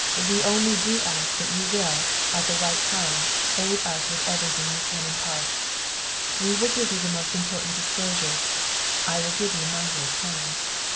We only do ask that you will, at the right time, aid us with everything you can impart. We will give you the most important disclosures. I will give you my whole time.